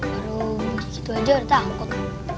baru begitu aja udah takut